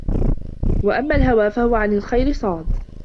وَأَمَّا الْهَوَى فَهُوَ عَنْ الْخَيْرِ صَادٌّ